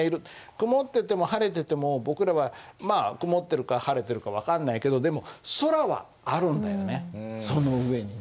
曇ってても晴れてても僕らはまあ曇ってるか晴れてるか分かんないけどでも空はあるんだよね。